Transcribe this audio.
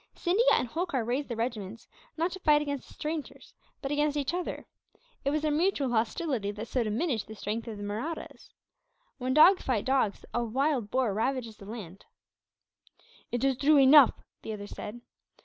Scindia and Holkar raised their regiments, not to fight against the strangers, but against each other. It was their mutual hostility that so diminished the strength of the Mahrattas. When dogs fight dogs, the wild boar ravages the land." "It is true enough," the other said.